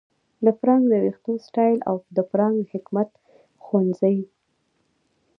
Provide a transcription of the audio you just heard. د فرانک د ویښتو سټایل او د فرانک د حکمت ښوونځي